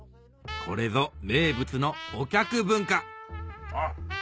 これぞ名物のおきゃく文化あぁ。